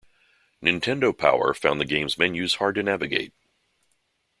"Nintendo Power" found the game's menus hard to navigate.